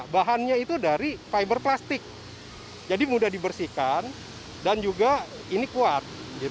bahannya itu dari fiber plastik jadi mudah dibersihkan dan juga ini kuat